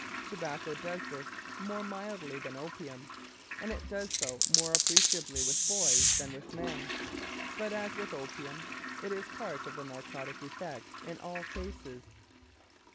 Tobacco does this more mildly than opium, and it does so more appreciably with boys than with men; but, as with opium, it is part of the narcotic effect in all cases.